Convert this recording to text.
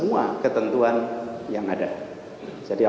dan proses pencabutannya dilakukan dengan sesuai sifat